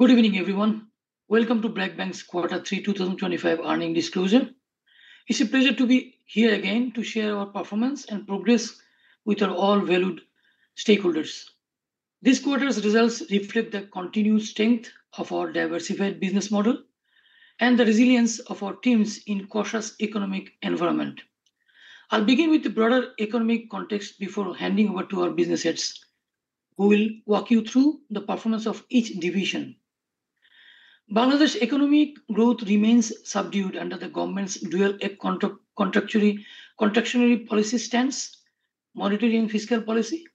Good evening, everyone. Welcome to BRAC Bank's Q3 2025 earnings disclosure. It's a pleasure to be here again to share our performance and progress with our all-valued stakeholders. This quarter's results reflect the continued strength of our diversified business model and the resilience of our teams in a cautious economic environment. I'll begin with the broader economic context before handing over to our business heads, who will walk you through the performance of each division. Bangladesh's economic growth remains subdued under the government's dual contractionary policy stance, monitoring fiscal policy,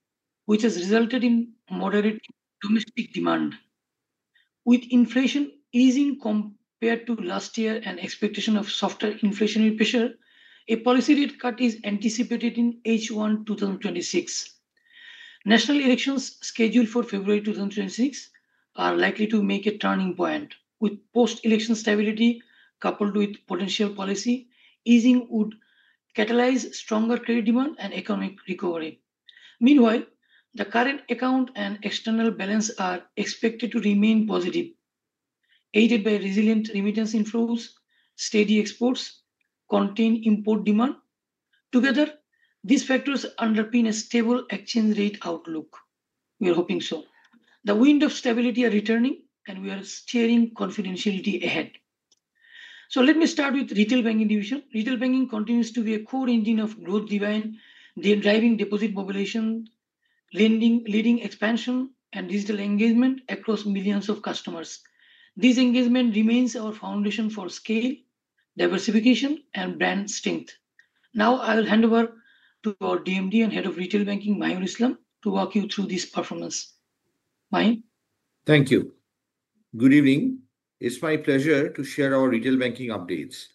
which has resulted in moderate domestic demand. With inflation easing compared to last year and expectations of softer inflationary pressure, a policy rate cut is anticipated in H1 2026. National elections scheduled for February 2026 are likely to make a turning point, with post-election stability coupled with potential policy easing would catalyze stronger credit demand and economic recovery. Meanwhile, the current account and external balance are expected to remain positive, aided by resilient remittance inflows, steady exports, and contained import demand. Together, these factors underpin a stable exchange rate outlook. We are hoping so. The wind of stability is returning, and we are steering confidently ahead. Let me start with the retail banking division. Retail banking continues to be a core engine of growth, driving deposit mobilization, lending expansion, and digital engagement across millions of customers. This engagement remains our foundation for scale, diversification, and brand strength. Now, I will hand over to our DMD and Head of Retail Banking, Mahiul Islam, to walk you through this performance. Mahi. Thank you. Good evening. It's my pleasure to share our retail banking updates.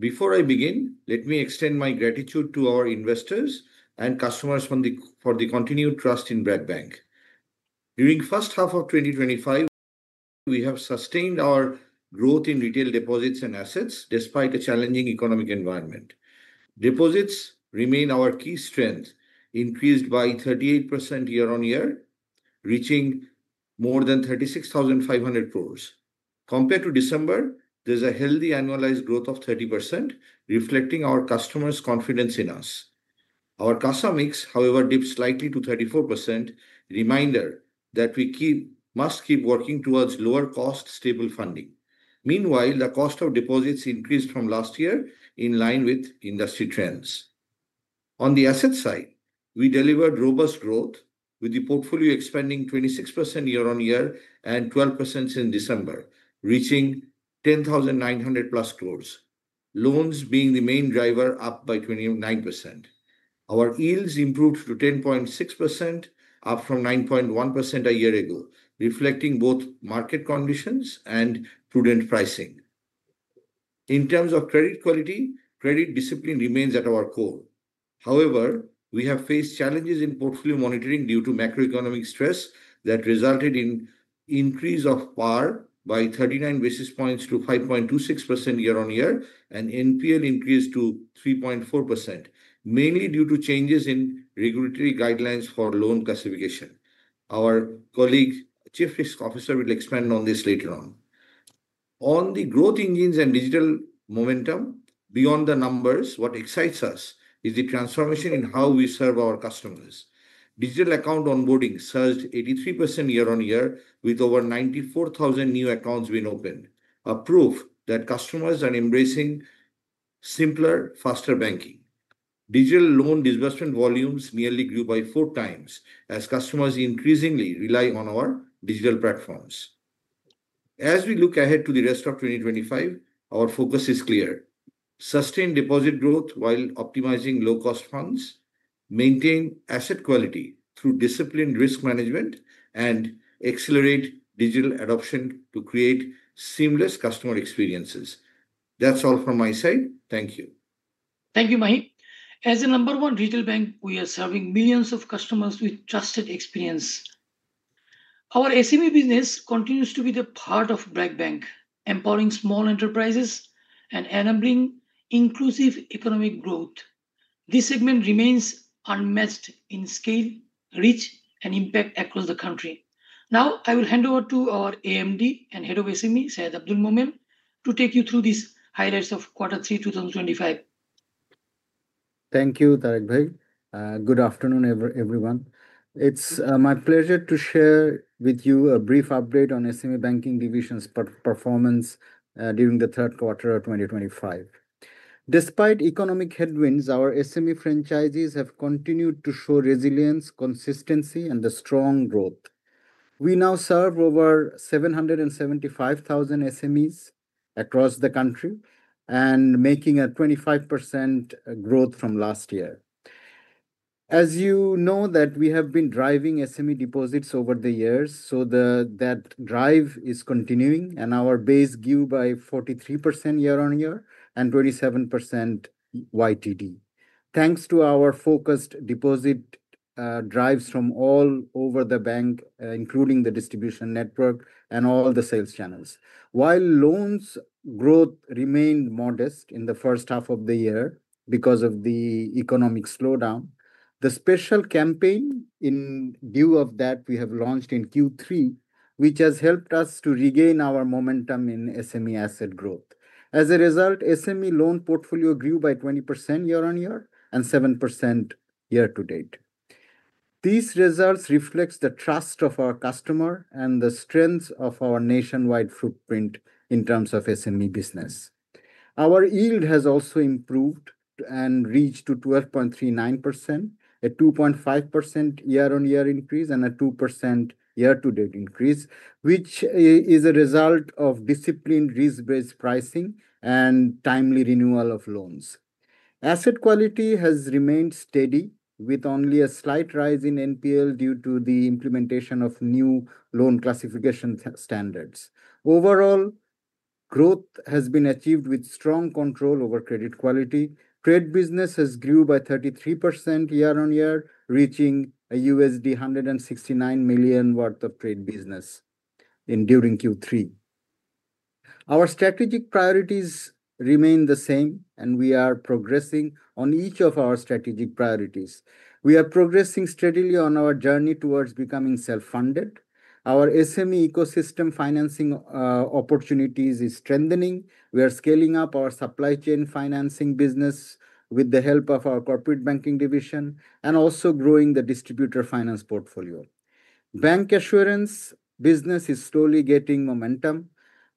Before I begin, let me extend my gratitude to our investors and customers for the continued trust in BRAC Bank. During the first half of 2025, we have sustained our growth in retail deposits and assets despite a challenging economic environment. Deposits remain our key strength, increased by 38% year-on-year, reaching more than BDT 36,500 crore. Compared to December, there's a healthy annualized growth of 30%, reflecting our customers' confidence in us. Our CASA mix, however, dips slightly to 34%, a reminder that we must keep working towards lower-cost, stable funding. Meanwhile, the cost of deposits increased from last year, in line with industry trends. On the asset side, we delivered robust growth, with the portfolio expanding 26% year-on-year and 12% since December, reaching BDT 10,900-plus crore, loans being the main driver, up by 29%. Our yields improved to 10.6%, up from 9.1% a year ago, reflecting both market conditions and prudent pricing. In terms of credit quality, credit discipline remains at our core. However, we have faced challenges in portfolio monitoring due to macroeconomic stress that resulted in an increase of PAR by 39 basis points to 5.26% year-on-year and NPL increased to 3.4%, mainly due to changes in regulatory guidelines for loan classification. Our colleague, Chief Risk Officer, will expand on this later on. On the growth engines and digital momentum, beyond the numbers, what excites us is the transformation in how we serve our customers. Digital account onboarding surged 83% year-on-year, with over 94,000 new accounts being opened, a proof that customers are embracing simpler, faster banking. Digital loan disbursement volumes nearly grew by four times as customers increasingly rely on our digital platforms. As we look ahead to the rest of 2025, our focus is clear: sustain deposit growth while optimizing low-cost funds, maintain asset quality through disciplined risk management, and accelerate digital adoption to create seamless customer experiences. That's all from my side. Thank you. Thank you, Mahi. As a No. 1 retail bank, we are serving millions of customers with trusted experience. Our SME business continues to be a part of BRAC Bank, empowering small enterprises and enabling inclusive economic growth. This segment remains unmatched in scale, reach, and impact across the country. Now, I will hand over to our AMD and Head of SME, Syed Abdul Momen, to take you through these highlights of Q3 2025. Thank you, Tareq. Good afternoon, everyone. It's my pleasure to share with you a brief update on SME banking division's performance during the third quarter of 2025. Despite economic headwinds, our SME franchisees have continued to show resilience, consistency, and strong growth. We now serve over 775,000 SMEs across the country and are making a 25% growth from last year. As you know, we have been driving SME deposits over the years, so that drive is continuing, and our base grew by 43% year-on-year and 27% year-to-date, thanks to our focused deposit drives from all over the bank, including the distribution network and all the sales channels. While loans growth remained modest in the first half of the year because of the economic slowdown, the special campaign in view of that we have launched in Q3, which has helped us to regain our momentum in SME asset growth. As a result, SME loan portfolio grew by 20% year-on-year and 7% year-to-date. These results reflect the trust of our customers and the strength of our nationwide footprint in terms of SME business. Our yield has also improved and reached 12.39%, a 2.5% year-on-year increase, and a 2% year-to-date increase, which is a result of disciplined, risk-based pricing, and timely renewal of loans. Asset quality has remained steady, with only a slight rise in NPL due to the implementation of new loan classification standards. Overall, growth has been achieved with strong control over credit quality. Trade business has grew by 33% year-on-year, reaching a $169 million worth of trade business during Q3. Our strategic priorities remain the same, and we are progressing on each of our strategic priorities. We are progressing steadily on our journey towards becoming self-funded. Our SME ecosystem financing opportunities are strengthening. We are scaling up our Supply Chain Financing Business with the help of our corporate banking division and also growing the Distributor Finance Portfolio. Bank assurance business is slowly getting momentum,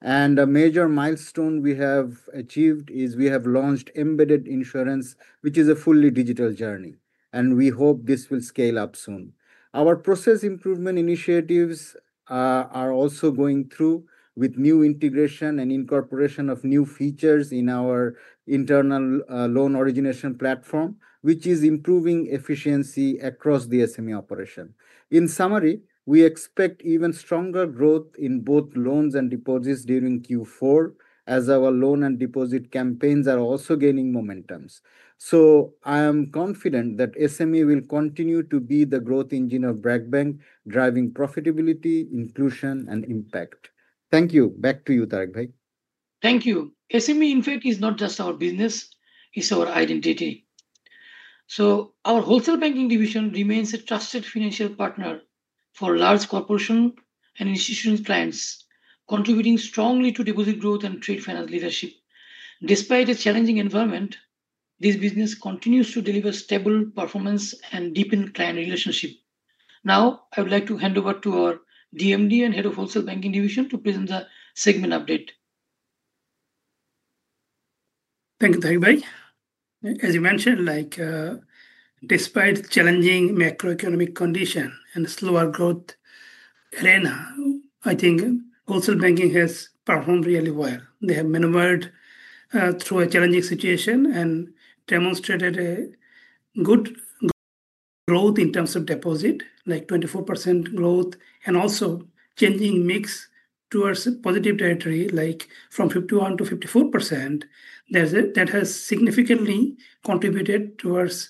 and a major milestone we have achieved is we have launched embedded insurance, which is a fully digital journey, and we hope this will scale up soon. Our process improvement initiatives are also going through with new integration and incorporation of new features in our Internal Loan Origination Platform, which is improving efficiency across the SME operation. In summary, we expect even stronger growth in both loans and deposits during Q4, as our loan and deposit campaigns are also gaining momentum. I am confident that SME will continue to be the growth engine of BRAC Bank, driving profitability, inclusion, and impact. Thank you. Back to you, Tareq. Thank you. SME, in fact, is not just our business; it's our identity. So our Wholesale Banking Division remains a trusted financial partner for large corporations and institutional clients, contributing strongly to deposit growth and trade finance leadership. Despite a challenging environment, this business continues to deliver stable performance and deepened client relationships. Now, I would like to hand over to our DMD and Head of Wholesale Banking Division to present the segment update. Thank you, Tareq. As you mentioned, despite challenging macroeconomic conditions and a slower growth arena, I think wholesale banking has performed really well. They have maneuvered through a challenging situation and demonstrated good growth in terms of deposit, like 24% growth, and also changing mix towards positive territory, like from 51% to 54%. That has significantly contributed towards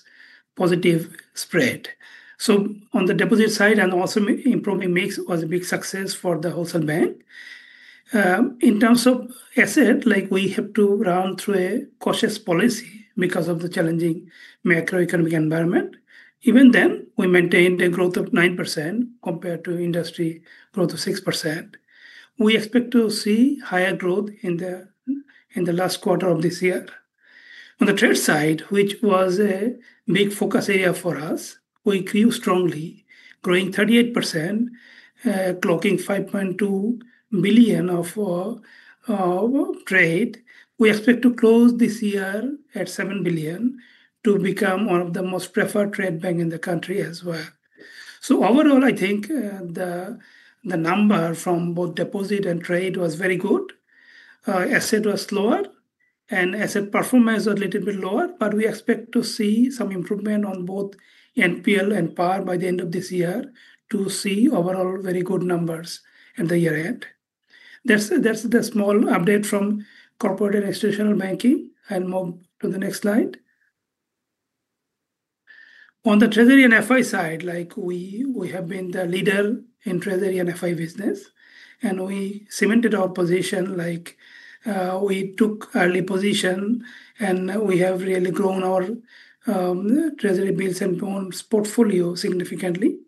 positive spread. On the deposit side, and also improving mix was a big success for the wholesale bank. In terms of asset, we have to run through a cautious policy because of the challenging macroeconomic environment. Even then, we maintained a growth of 9% compared to industry growth of 6%. We expect to see higher growth in the last quarter of this year. On the trade side, which was a big focus area for us, we grew strongly, growing 38%, clocking BDT 5.2 billion of trade. We expect to close this year at BDT 7 billion to become one of the most preferred trade banks in the country as well. Overall, I think the number from both deposit and trade was very good. Asset was slower, and asset performance was a little bit lower, but we expect to see some improvement on both NPL and PAR by the end of this year to see overall very good numbers at the year-end. That's the small update from corporate and institutional banking. I'll move to the next slide. On the treasury and FI side, we have been the leader in treasury and FI business, and we cemented our position. We took early position, and we have really grown our treasury bills and bonds portfolio significantly,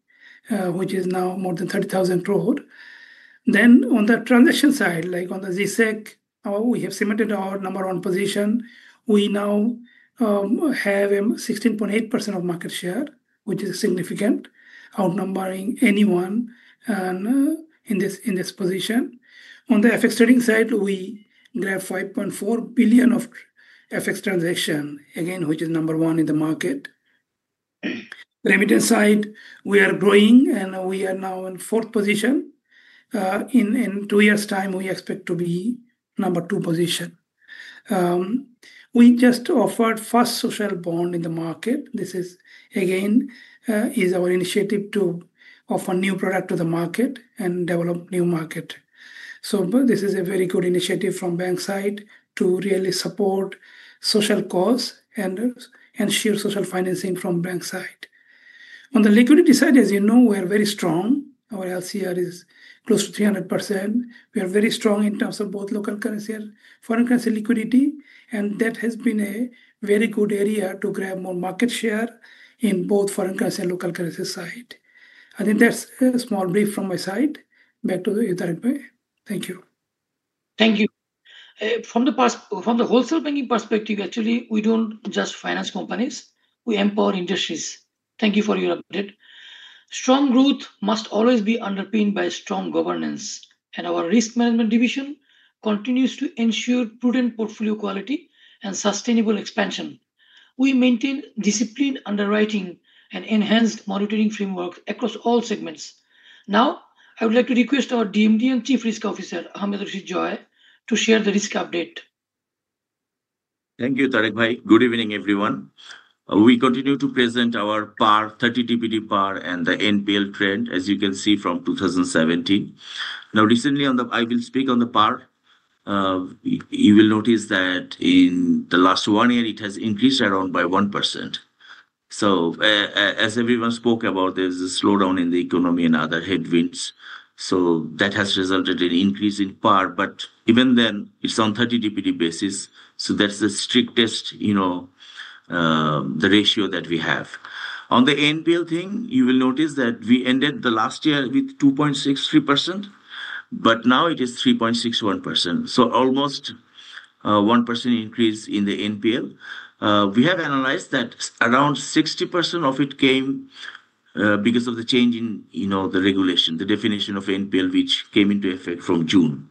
which is now more than BDT 30,000 crore. On the transaction side, like on the GSEC, we have cemented our No. 1 position. We now have 16.8% of market share, which is significant, outnumbering anyone in this position. On the FX trading side, we grabbed BDT 5.4 billion of FX transactions, again, which is No. 1 in the market. Remittance side, we are growing, and we are now in fourth position. In two years' time, we expect to be No. 2 position. We just offered the first social bond in the market. This is, again, our initiative to offer new products to the market and develop a new market. This is a very good initiative from the bank side to really support social causes and ensure social financing from the bank side. On the liquidity side, as you know, we are very strong. Our LCR is close to 300%. We are very strong in terms of both local currency and foreign currency liquidity, and that has been a very good area to grab more market share in both foreign currency and local currency side. I think that's a small brief from my side. Back to you, Tareq. Thank you. Thank you. From the wholesale banking perspective, actually, we don't just finance companies, we empower industries. Thank you for your update. Strong growth must always be underpinned by strong governance, and our risk management division continues to ensure prudent portfolio quality and sustainable expansion. We maintain disciplined underwriting and enhanced monitoring frameworks across all segments. Now, I would like to request our DMD and Chief Risk Officer, Ahmed Rashid Joy, to share the risk update. Thank you, Tareq. Good evening, everyone. We continue to present our PAR, 30 DPD PAR, and the NPL trend, as you can see, from 2017. Now, recently, I will speak on the PAR. You will notice that in the last one year, it has increased around by 1%. As everyone spoke about, there's a slowdown in the economy and other headwinds. That has resulted in an increase in PAR, but even then, it's on a 30 DPD basis. That's the strictest ratio that we have. On the NPL thing, you will notice that we ended last year with 2.63%, but now it is 3.61%, so almost 1% increase in the NPL. We have analyzed that around 60% of it came because of the change in the regulation, the definition of NPL, which came into effect from June.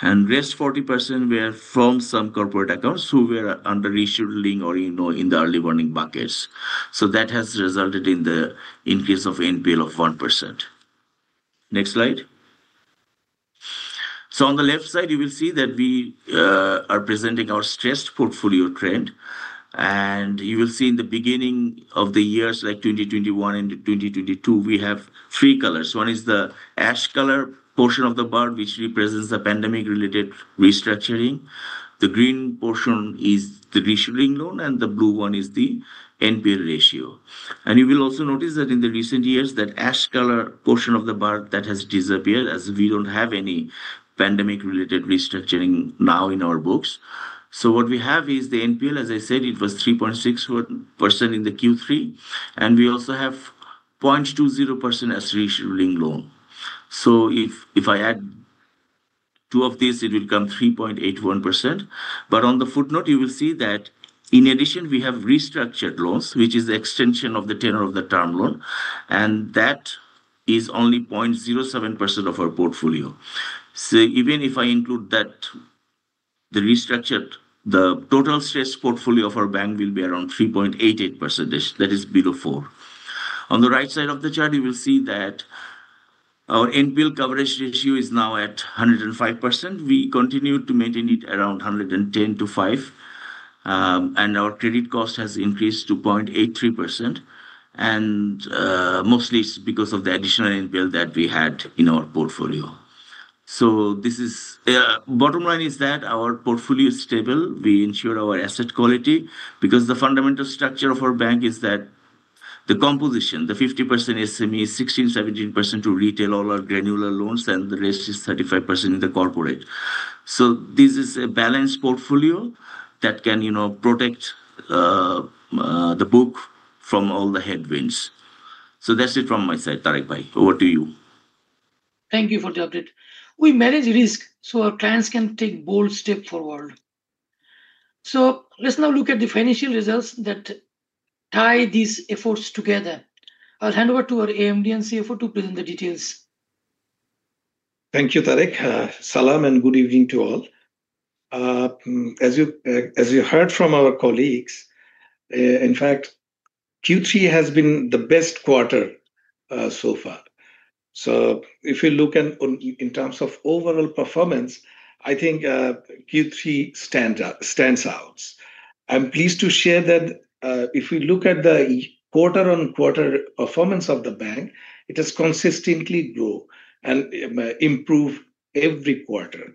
The rest of 40% were from some corporate accounts who were under reshuffling or in the early warning buckets. That has resulted in the increase of NPL of 1%. Next slide. On the left side, you will see that we are presenting our stressed portfolio trend. You will see in the beginning of the years, like 2021 and 2022, we have three colors. One is the ash color portion of the bar, which represents the pandemic-related restructuring. The green portion is the reshuffling loan, and the blue one is the NPL ratio. You will also notice that in the recent years, that ash color portion of the bar has disappeared as we don't have any pandemic-related restructuring now in our books. What we have is the NPL, as I said, it was 3.6% in Q3, and we also have 0.20% as reshuffling loan. If I add two of these, it will become 3.81%. On the footnote, you will see that in addition, we have restructured loans, which is an extension of the tenor of the term loan, and that is only 0.07% of our portfolio. Even if I include that, the restructured, the total stressed portfolio of our bank will be around 3.88%. That is below 4%. On the right side of the chart, you will see that our NPL coverage ratio is now at 105%. We continue to maintain it around 110 to 105. Our credit cost has increased to 0.83%. Mostly it's because of the additional NPL that we had in our portfolio. The bottom line is that our portfolio is stable. We ensured our asset quality because the fundamental structure of our bank is that the composition, the 50% SME, 16-17% to retail, all our granular loans, and the rest is 35% in the corporate. This is a balanced portfolio that can protect the book from all the headwinds. That's it from my side, Tareq. Over to you. Thank you for the update. We manage risk so our clients can take bold steps forward. Let's now look at the financial results that tie these efforts together. I'll hand over to our AMD and CFO to present the details. Thank you, Tareq. Salam and good evening to all. As you heard from our colleagues. In fact, Q3 has been the best quarter so far. If you look in terms of overall performance, I think Q3 stands out. I'm pleased to share that if we look at the quarter-on-quarter performance of the bank, it has consistently grown and improved every quarter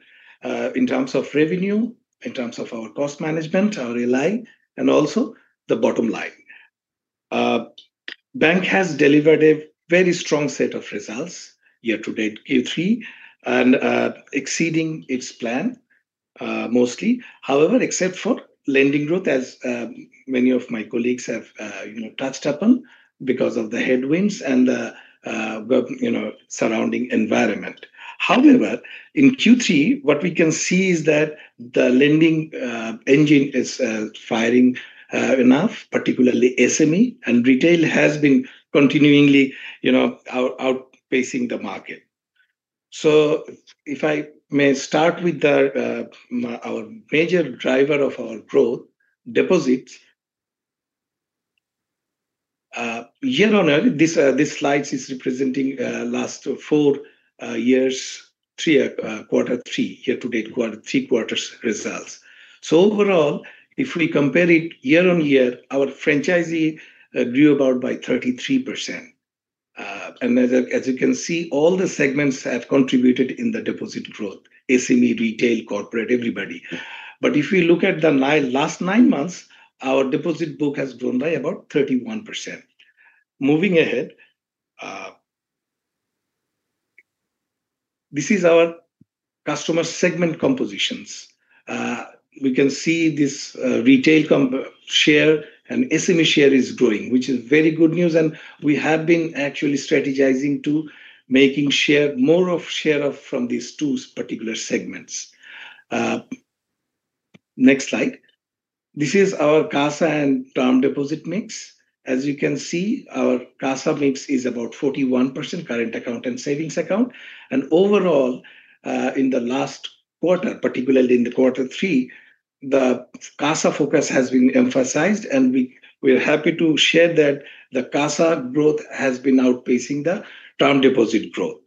in terms of revenue, in terms of our cost management, our LI, and also the bottom line. The bank has delivered a very strong set of results year-to-date Q3 and exceeding its plan, mostly. However, except for lending growth, as many of my colleagues have touched upon because of the headwinds and the surrounding environment. However, in Q3, what we can see is that the lending engine is firing enough, particularly SME and retail has been continuingly outpacing the market. If I may start with our major driver of our growth, deposits. Year-on-year, this slide is representing the last four years, three quarters, three year-to-date quarters, three quarters results. Overall, if we compare it year-on-year, our franchisee grew about by 33%. As you can see, all the segments have contributed in the deposit growth: SME, retail, corporate, everybody. If we look at the last nine months, our deposit book has grown by about 31%. Moving ahead. This is our customer segment compositions. We can see this retail share and SME share is growing, which is very good news. We have been actually strategizing to make more of share from these two particular segments. Next slide. This is our CASA and term deposit mix. As you can see, our CASA mix is about 41% current account and savings account. Overall, in the last quarter, particularly in the quarter three, the CASA focus has been emphasized. We're happy to share that the CASA growth has been outpacing the term deposit growth.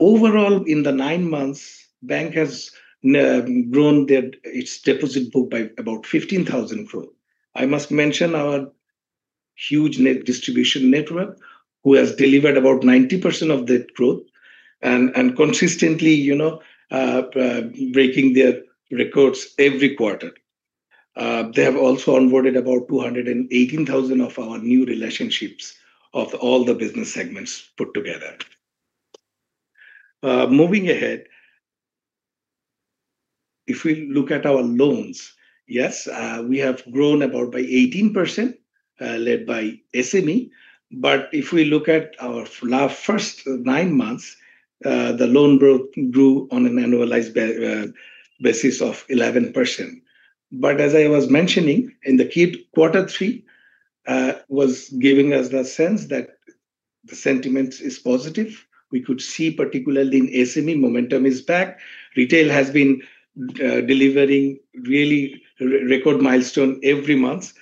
Overall, in the nine months, the bank has grown its deposit book by about BDT 15,000 crore. I must mention our huge net distribution network, who has delivered about 90% of that growth and consistently breaking their records every quarter. They have also onboarded about 218,000 of our new relationships of all the business segments put together. Moving ahead. If we look at our loans, yes, we have grown about by 18%, led by SME. If we look at our last first nine months, the loan growth grew on an annualized basis of 11%. As I was mentioning, in the quarter three was giving us the sense that the sentiment is positive. We could see, particularly in SME, momentum is back. Retail has been delivering really record milestones every month.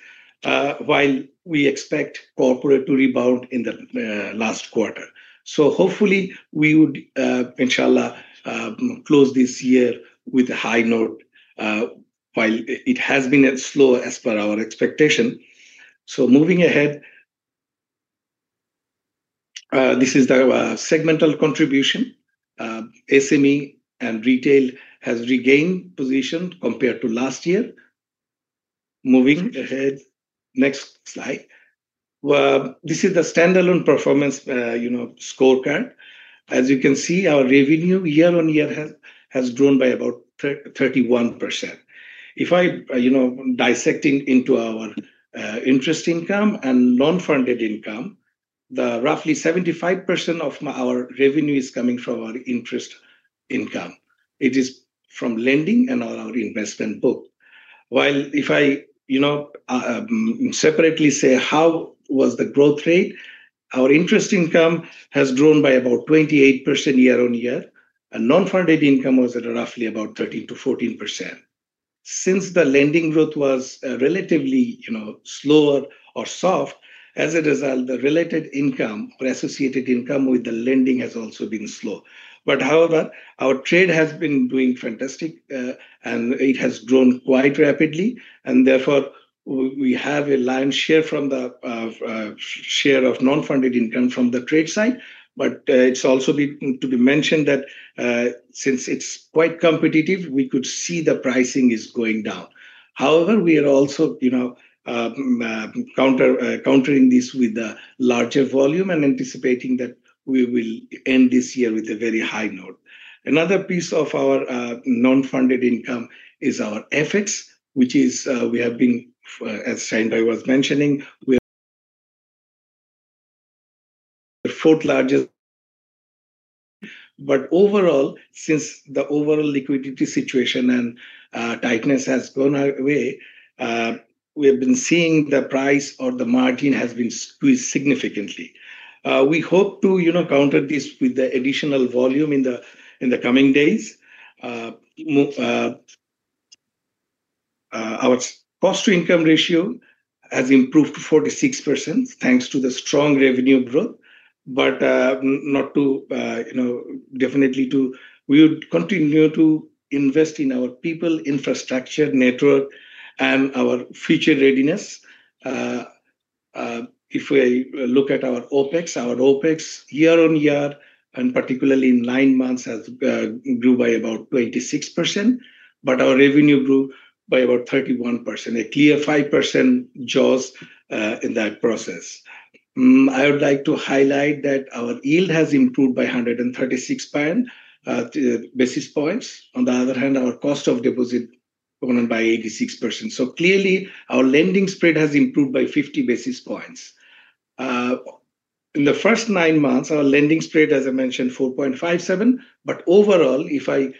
While we expect corporate to rebound in the last quarter. Hopefully, we would, inshallah, close this year with a high note. While it has been slow as per our expectation. Moving ahead. This is the segmental contribution. SME and retail have regained position compared to last year. Moving ahead, next slide. This is the standalone performance scorecard. As you can see, our revenue year-on-year has grown by about 31%. If I dissect into our interest income and non-funded income, roughly 75% of our revenue is coming from our interest income. It is from lending and our investment book. While if I separately say how was the growth rate, our interest income has grown by about 28% year-on-year. And non-funded income was at roughly about 13%-14%. Since the lending growth was relatively slower or soft, as a result, the related income or associated income with the lending has also been slow. However, our trade has been doing fantastic, and it has grown quite rapidly. Therefore, we have a lion's share from the share of non-funded income from the trade side. It is also to be mentioned that since it's quite competitive, we could see the pricing going down. However, we are also countering this with the larger volume and anticipating that we will end this year with a very high note. Another piece of our non-funded income is our FX, which we have been, as Shahin was mentioning, the fourth largest. Overall, since the overall liquidity situation and tightness has gone away, we have been seeing the price or the margin has been squeezed significantly. We hope to counter this with the additional volume in the coming days. Our cost-to-income ratio has improved to 46% thanks to the strong revenue growth, but not to, definitely to, we would continue to invest in our people, infrastructure, network, and our future readiness. If we look at our OpEx, our OpEx year-on-year, and particularly in nine months, has grew by about 26%. But our revenue grew by about 31%, a clear 5% jaws in that process. I would like to highlight that our yield has improved by 136 basis points. On the other hand, our cost of deposit went up by 86 basis points. So clearly, our lending spread has improved by 50 basis points. In the first nine months, our lending spread, as I mentioned, 4.57. Overall, if I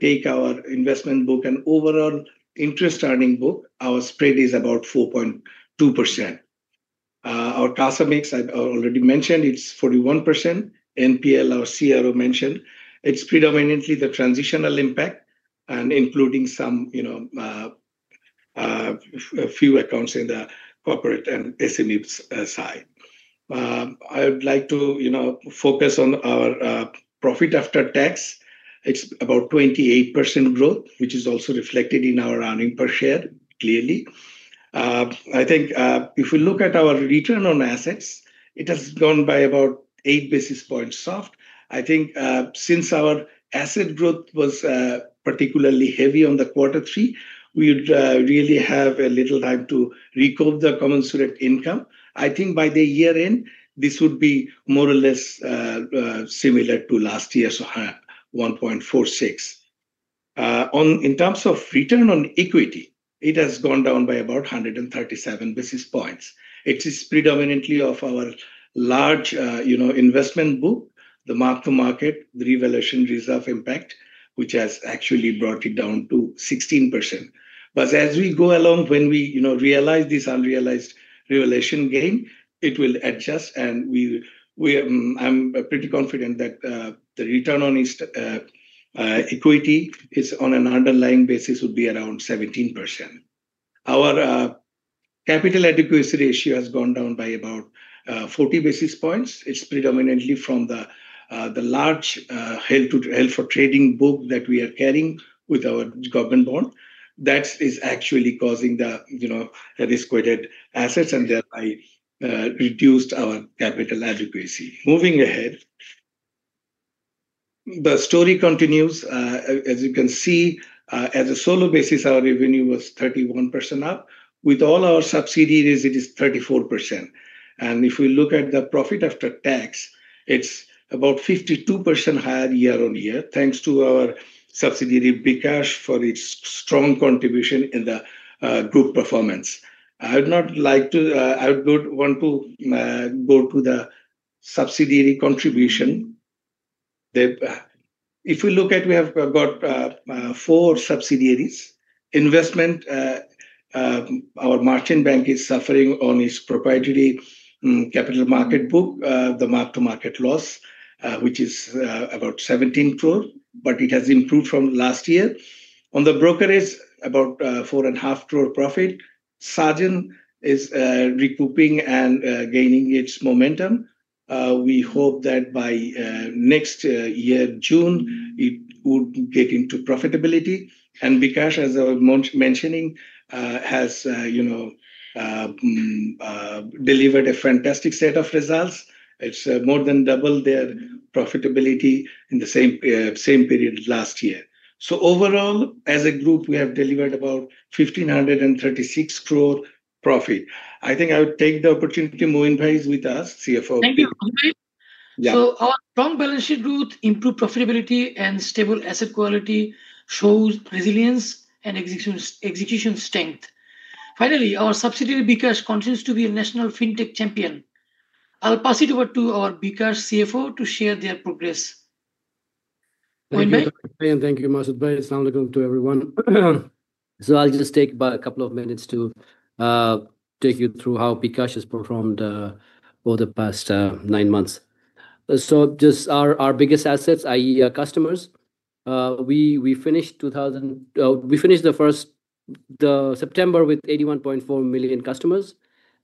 take our investment book and overall interest earning book, our spread is about 4.2%. Our CASA mix, I already mentioned, it's 41%. NPL, our CRO mentioned, it's predominantly the transitional impact, including some few accounts in the corporate and SME side. I would like to focus on our profit after tax. It's about 28% growth, which is also reflected in our earning per share, clearly. I think if we look at our return on assets, it has gone by about 8 basis points soft. I think since our asset growth was particularly heavy on the quarter three, we would really have a little time to recoup the common surrogate income. I think by the year-end, this would be more or less similar to last year, so 1.46. In terms of return on equity, it has gone down by about 137 basis points. It is predominantly of our large investment book, the mark-to-market, the revaluation reserve impact, which has actually brought it down to 16%. As we go along, when we realize this unrealized revaluation gain, it will adjust. I am pretty confident that the return on equity on an underlying basis would be around 17%. Our capital adequacy ratio has gone down by about 40 basis points. It is predominantly from the large held-for-trading book that we are carrying with our government bond. That is actually causing the risk-weighted assets and thereby reduced our capital adequacy. Moving ahead, the story continues. As you can see, as a solo basis, our revenue was 31% up. With all our subsidiaries, it is 34%. If we look at the profit after tax, it is about 52% higher year-on-year, thanks to our subsidiary bKash for its strong contribution in the group performance. I would not like to—I would want to go to the subsidiary contribution. If we look at, we have got four subsidiaries. Investment. Our Martin Bank is suffering on its proprietary capital market book, the mark-to-market loss, which is about BDT 17 crore, but it has improved from last year. On the brokerage, about BDT 4.5 crore profit. Sagent is recouping and gaining its momentum. We hope that by next year, June, it would get into profitability. bKash, as I was mentioning, has delivered a fantastic set of results. It has more than doubled their profitability in the same period last year. Overall, as a group, we have delivered about BDT 1,536 crore profit. I think I would take the opportunity to move in with us, CFO. Thank you. Our strong balance sheet growth, improved profitability, and stable asset quality shows resilience and execution strength. Finally, our subsidiary bKash continues to be a National FinTech Champion. I'll pass it over to our bKash CFO to share their progress. Thank you, Masud Bhai. Salam Alaikum to everyone. I'll just take a couple of minutes to take you through how bKash has performed over the past nine months. Just our biggest assets, i.e., customers. We finished the 1st September with 81.4 million customers,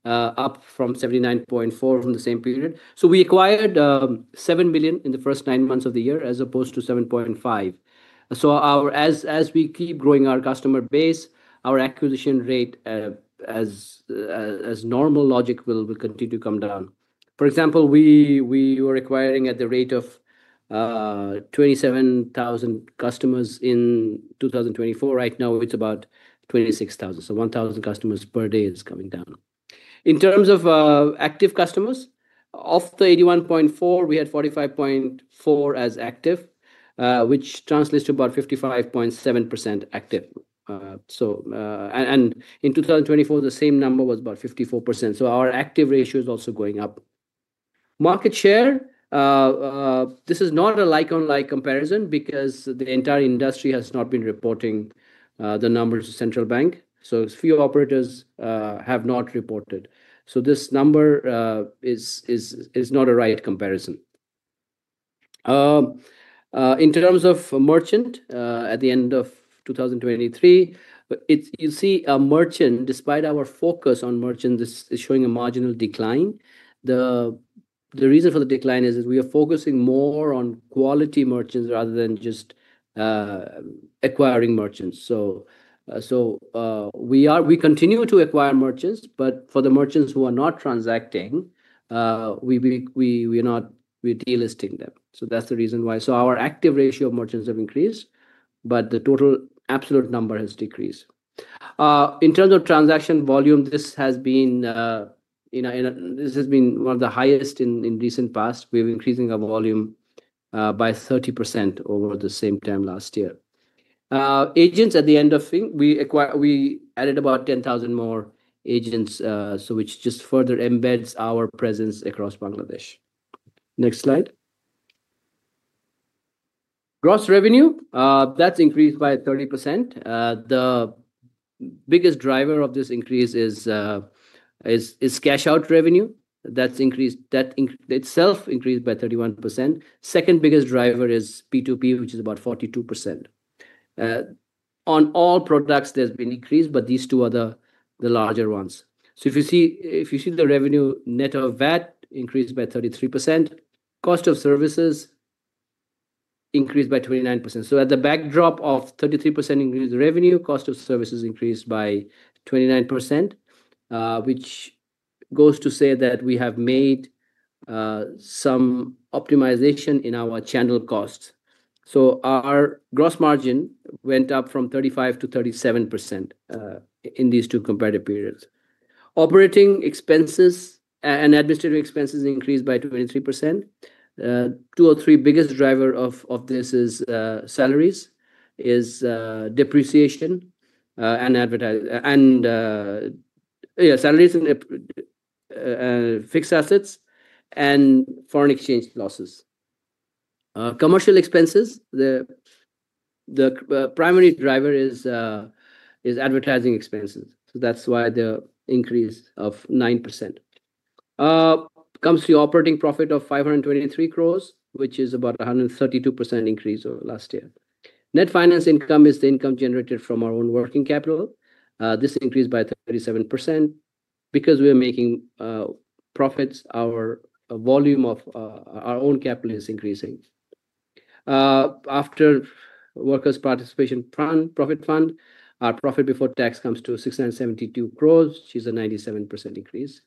up from 79.4 from the same period. We acquired 7 million in the 1st nine months of the year, as opposed to 7.5. As we keep growing our customer base, our acquisition rate, as normal logic, will continue to come down. For example, we were acquiring at the rate of 27,000 customers in 2024. Right now, it's about 26,000. So 1,000 customers per day is coming down. In terms of active customers, of the 81.4, we had 45.4 as active, which translates to about 55.7% active. In 2024, the same number was about 54%. Our active ratio is also going up. Market share. This is not a like-on-like comparison because the entire industry has not been reporting the numbers to central bank. A few operators have not reported. This number is not a right comparison. In terms of merchant, at the end of 2023, you see a merchant, despite our focus on merchant, is showing a marginal decline. The reason for the decline is we are focusing more on quality merchants rather than just acquiring merchants. We continue to acquire merchants, but for the merchants who are not transacting, we are not de-listing them. That's the reason why. Our active ratio of merchants has increased, but the total absolute number has decreased. In terms of transaction volume, this has been one of the highest in recent past. We are increasing our volume by 30% over the same time last year. Agents, at the end of thing, we added about 10,000 more agents, which just further embeds our presence across Bangladesh. Next slide. Gross revenue, that's increased by 30%. The biggest driver of this increase is cash-out revenue. That itself increased by 31%. Second biggest driver is P2P, which is about 42%. On all products, there's been increase, but these two are the larger ones. If you see the revenue net of VAT, increased by 33%. Cost of services increased by 29%. At the backdrop of 33% increase in revenue, cost of services increased by 29%, which goes to say that we have made some optimization in our channel costs. Our gross margin went up from 35%-37% in these two comparative periods. Operating expenses and administrative expenses increased by 23%. Two or three biggest drivers of this are salaries, depreciation, and salaries, fixed assets, and foreign exchange losses. Commercial expenses, the primary driver is advertising expenses. That's why the increase of 9%. Comes to the operating profit of BDT 523 crores, which is about a 132% increase over last year. Net finance income is the income generated from our own working capital. This increased by 37%. Because we are making profits, our volume of our own capital is increasing. After workers' participation profit fund, our profit before tax comes to BDT 672 crore, which is a 97% increase.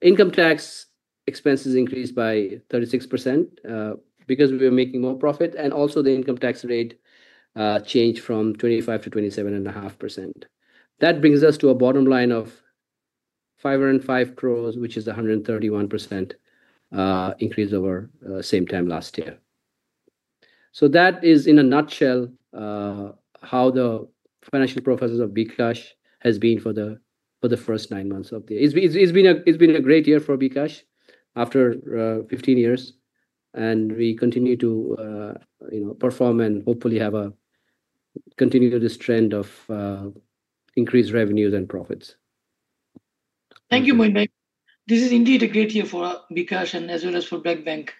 Income tax expenses increased by 36% because we are making more profit. Also, the income tax rate changed from 25%-27.5%. That brings us to a bottom line of BDT 505 crore, which is a 131% increase over the same time last year. That is, in a nutshell, how the financial process of BRAC Bank has been for the 1st nine months of the year. It has been a great year for BRAC Bank after 15 years. We continue to perform and hopefully continue this trend of increased revenues and profits. Thank you, Moinuddin. This is indeed a great year for bKash and as well as for BRAC Bank.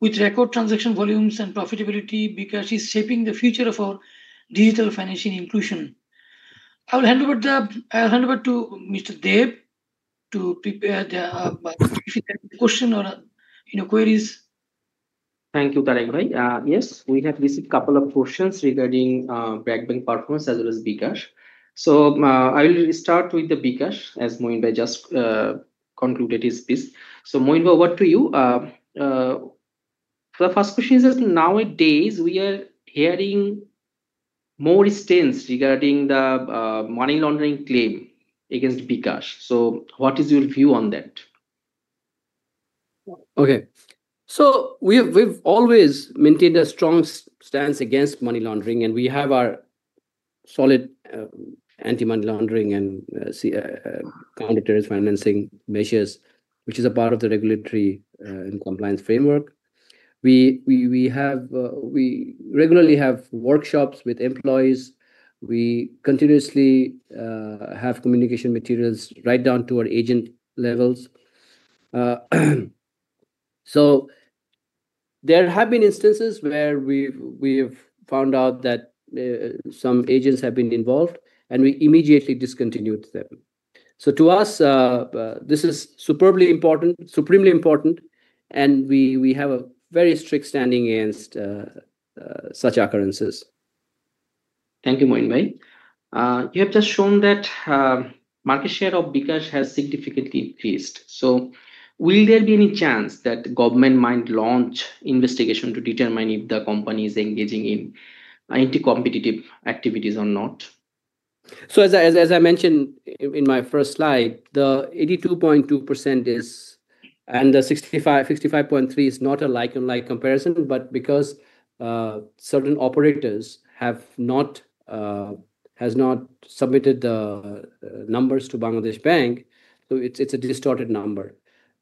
With record transaction volumes and profitability, bKash is shaping the future of our digital financing inclusion. I will hand over to Mr. Deb to prepare the question or queries. Thank you, Tareq Bhai. Yes, we have received a couple of questions regarding BRAC Bank performance as well as bKash. I will start with bKash, as Moinuddin just concluded his piece. Moinuddin, over to you. The first question is, nowadays, we are hearing more stints regarding the money laundering claim against bKash. What is your view on that? Okay. So we've always maintained a strong stance against money laundering, and we have our solid anti-money laundering and counterterrorism financing measures, which is a part of the regulatory and compliance framework. We regularly have workshops with employees. We continuously have communication materials right down to our agent levels. So there have been instances where we have found out that some agents have been involved, and we immediately discontinued them. To us, this is superbly important, supremely important, and we have a very strict standing against such occurrences. Thank you, Moinuddin. You have just shown that. Market share of bKash has significantly increased. Will there be any chance that the government might launch investigation to determine if the company is engaging in anti-competitive activities or not? As I mentioned in my first slide, the 82.2% and the 65.3% is not a like-on-like comparison, but because certain operators have not submitted the numbers to Bangladesh Bank, it is a distorted number.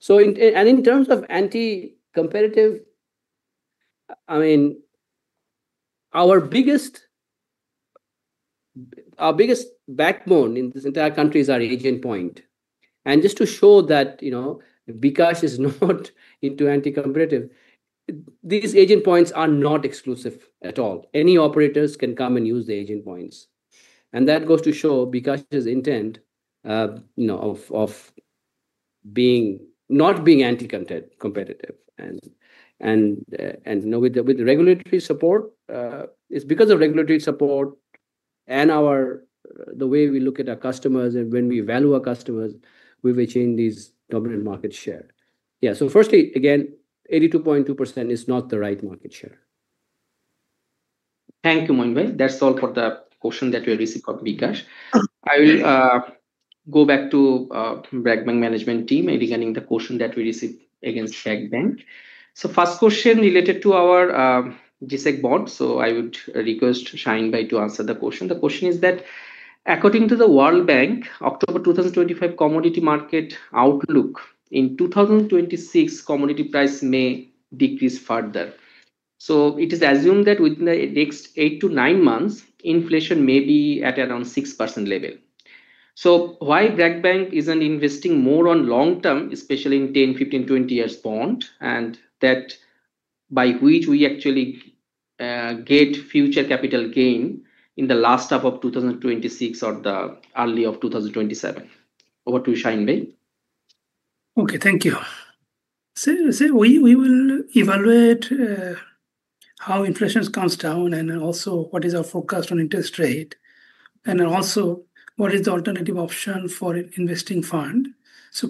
In terms of anti-competitive, I mean, our biggest backbone in this entire country is our agent point. Just to show that bKash is not into anti-competitive, these agent points are not exclusive at all. Any operators can come and use the agent points. That goes to show bKash's intent of not being anti-competitive. With the regulatory support, it is because of regulatory support and the way we look at our customers, and when we value our customers, we will change these dominant market share. Yeah, firstly, again, 82.2% is not the right market share. Thank you, Moinuddin. That's all for the question that we received from bKash. I will go back to BRAC Bank management team regarding the question that we received against BRAC Bank. First question related to our GSEC bond. I would request Shaheen Bhai to answer the question. The question is that, according to The World Bank, October 2025 commodity market outlook, in 2026 commodity price may decrease further. It is assumed that within the next eight to nine months, inflation may be at around 6% level. Why BRAC Bank isn't investing more on long-term, especially in 10, 15, 20 years bond, and that by which we actually get future capital gain in the last half of 2026 or the early of 2027? Over to Shaheen Bhai. Okay. Thank you. We will evaluate how inflation comes down and also what is our forecast on interest rate. Also, what is the alternative option for investing fund.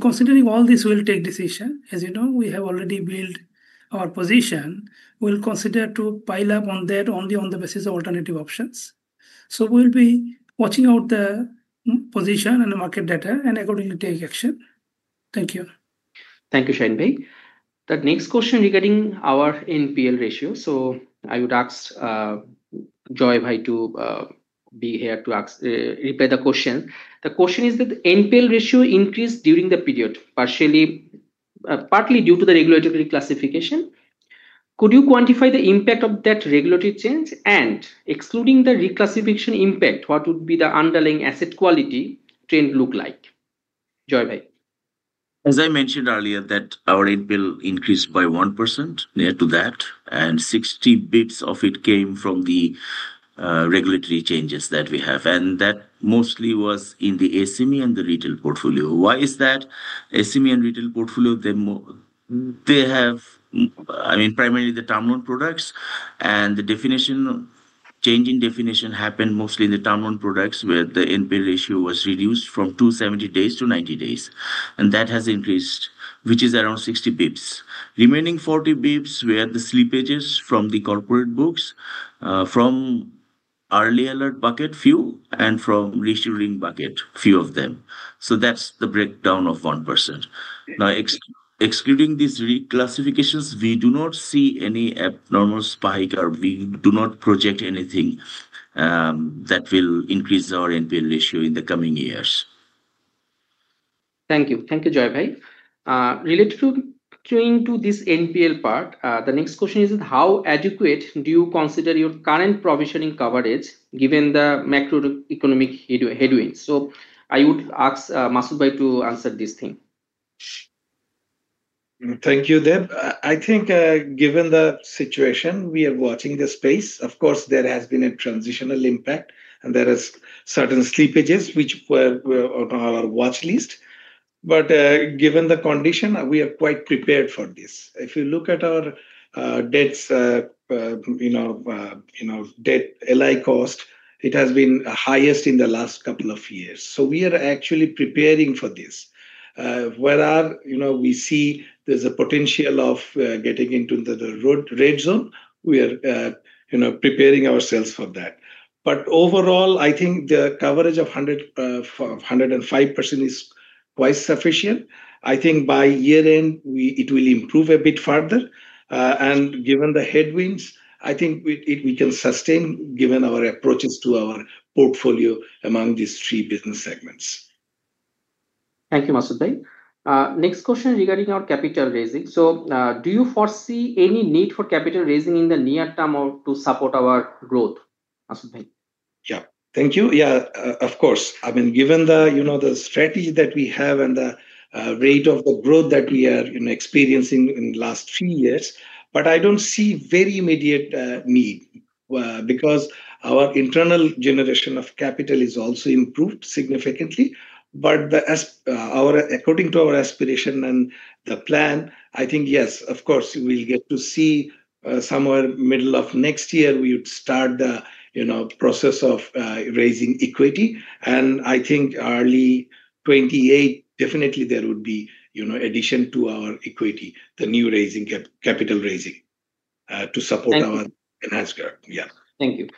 Considering all this, we'll take decision. As you know, we have already built our position. We'll consider to pile up on that only on the basis of alternative options. We'll be watching out the position and the market data and accordingly take action. Thank you. Thank you, Shaheen Bhai. The next question regarding our NPL ratio. I would ask Joy Bhai to be here to reply to the question. The question is that NPL ratio increased during the period, partly due to the regulatory classification. Could you quantify the impact of that regulatory change? Excluding the reclassification impact, what would the underlying asset quality trend look like? Joy Bhai. As I mentioned earlier, our NPL increased by 1%, near to that. 60 bps of it came from the regulatory changes that we have. That mostly was in the SME and the retail portfolio. Why is that? SME and retail portfolio, they have, I mean, primarily the term loan products. The change in definition happened mostly in the term loan products where the NPL ratio was reduced from 270 days-90 days. That has increased, which is around 60 bps. The remaining 40 bps were the slippages from the corporate books, from early alert bucket few, and from reshoring bucket few of them. That's the breakdown of 1%. Now, excluding these reclassifications, we do not see any abnormal spike or we do not project anything that will increase our NPL ratio in the coming years. Thank you. Thank you, Joy Bhai. Related to this NPL part, the next question is, how adequate do you consider your current provisioning coverage given the macroeconomic headwinds? I would ask Masud Bhai to answer this thing. Thank you, Deb. I think given the situation, we are watching the space. Of course, there has been a transitional impact, and there are certain slippages which were on our watch list. Given the condition, we are quite prepared for this. If you look at our debt LI cost, it has been the highest in the last couple of years. We are actually preparing for this. Where we see there's a potential of getting into the red zone, we are preparing ourselves for that. Overall, I think the coverage of 105% is quite sufficient. I think by year-end, it will improve a bit further. Given the headwinds, I think we can sustain given our approaches to our portfolio among these three business segments. Thank you, Masud Bhai. Next question regarding our capital raising. Do you foresee any need for capital raising in the near term to support our growth? Masud Bhai. Yeah. Thank you. Yeah, of course. I mean, given the strategy that we have and the rate of the growth that we are experiencing in the last few years, I don't see very immediate need because our internal generation of capital is also improved significantly. According to our aspiration and the plan, I think, yes, of course, we'll get to see somewhere middle of next year, we would start the process of raising equity. I think early 2028, definitely there would be addition to our equity, the new raising capital raising to support our enhanced growth. Yeah. Thank you.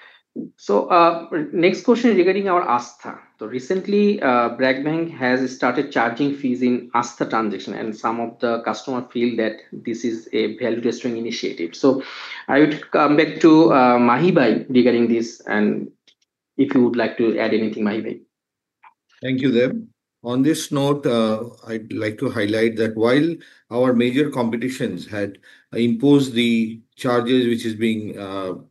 Next question regarding our Astha. Recently, BRAC Bank has started charging fees in Astha transaction, and some of the customers feel that this is a value-restoring initiative. I would come back to Mahi Bhai regarding this. If you would like to add anything, Mahi Bhai. Thank you, Deb. On this note, I'd like to highlight that while our major competitions had imposed the charges which is being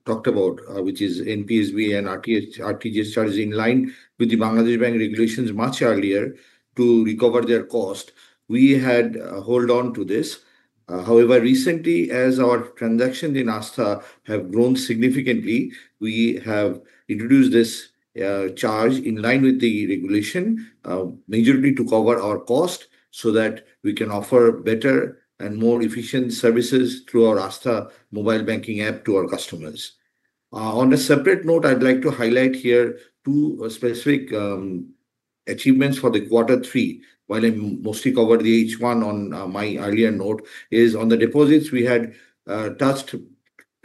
talked about, which is NPSB and RTGS charges in line with the Bangladesh Bank regulations much earlier to recover their cost, we had held on to this. However, recently, as our transactions in Astha have grown significantly, we have introduced this charge in line with the regulation, majority to cover our cost so that we can offer better and more efficient services through our Astha mobile banking app to our customers. On a separate note, I'd like to highlight here two specific achievements for the Quarter three. While I mostly covered the H1 on my earlier note, on the deposits, we had touched close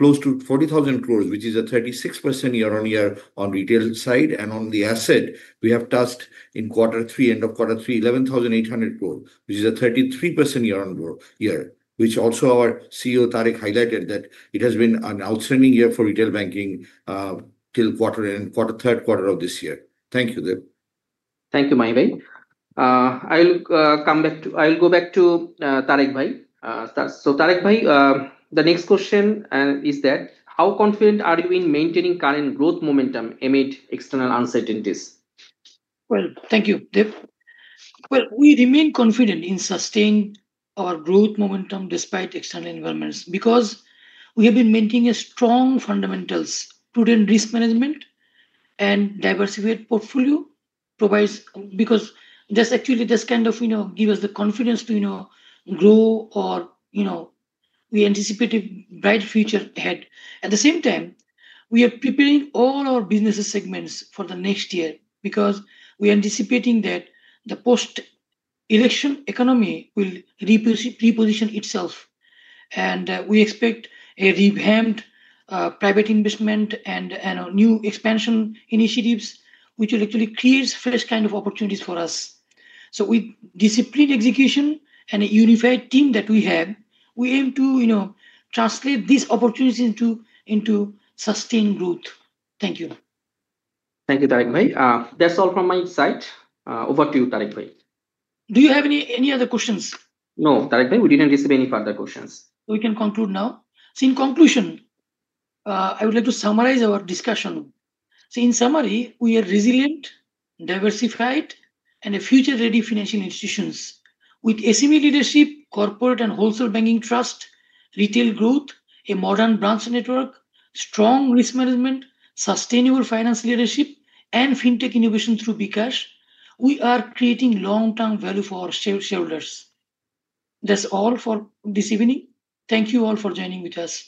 to BDT 40,000 crore, which is a 36% year-on-year on the retail side. And on the asset, we have touched in Quarter three, end of quarter three, BDT 11,800 crore, which is a 33% year-on-year, which also our CEO, Tareq, highlighted that it has been an outstanding year for retail banking till quarter and quarter third quarter of this year. Thank you, Deb. Thank you, Mahi Bhai. I'll come back to Tareq Bhai. Tareq Bhai, the next question is that, how confident are you in maintaining current growth momentum amid external uncertainties? Thank you, Deb. We remain confident in sustaining our growth momentum despite external environments because we have been maintaining strong fundamentals, Prudent Risk Management. A diversified portfolio provides, because that actually just kind of gives us the confidence to grow. We anticipate a bright future ahead. At the same time, we are preparing all our business segments for the next year because we are anticipating that the post-election economy will reposition itself. We expect a revamped private investment and new expansion initiatives, which will actually create fresh kind of opportunities for us. With disciplined execution and a unified team that we have, we aim to translate these opportunities into sustained growth. Thank you. Thank you, Tareq Bhai. That's all from my side. Over to you, Tareq Bhai. Do you have any other questions? No, Tareq Bhai. We didn't receive any further questions. We can conclude now. In conclusion, I would like to summarize our discussion. In summary, we are resilient, diversified, and future-ready financial institutions with SME leadership, corporate and wholesale banking trust, retail growth, a modern branch network, strong risk management, sustainable finance leadership, and fintech innovation through bKash. We are creating long-term value for our shareholders. That's all for this evening. Thank you all for joining with us.